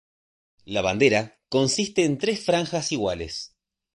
La bandera consiste en tres franjas iguales.